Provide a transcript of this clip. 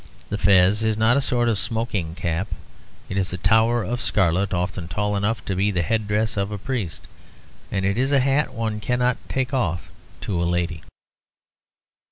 The fez is not a sort of smoking cap. It is a tower of scarlet often tall enough to be the head dress of a priest. And it is a hat one cannot take off to a lady.